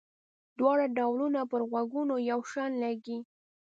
دواړه ډولونه پر غوږونو یو شان لګيږي.